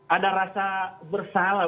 ada rasa bersalah